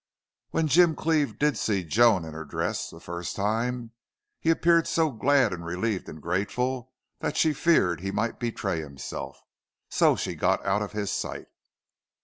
When Jim Cleve did see Joan in her dress the first time he appeared so glad and relieved and grateful that she feared he might betray himself, so she got out of his sight.